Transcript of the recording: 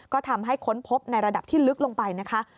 ก็ทำให้ค้นพบในระดับที่ลึกลงไปนะคะ